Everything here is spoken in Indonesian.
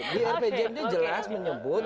di rpjmd jelas menyebut